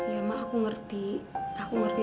ya emang aku ngerti aku ngerti